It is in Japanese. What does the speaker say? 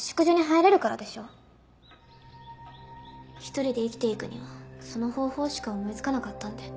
一人で生きていくにはその方法しか思いつかなかったんで。